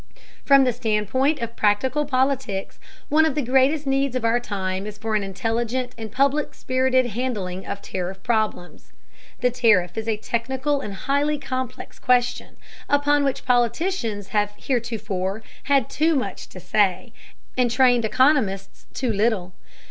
From the standpoint of practical politics, one of the greatest needs of our time is for an intelligent and public spirited handling of tariff problems. The tariff is a technical and highly complex question, upon which politicians have heretofore had too much to say, and trained economists too little.